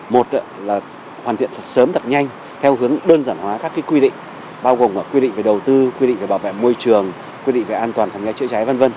một là hoàn thiện thật sớm thật nhanh theo hướng đơn giản hóa các quy định bao gồm quy định về đầu tư quy định về bảo vệ môi trường quy định về an toàn phòng cháy chữa cháy v v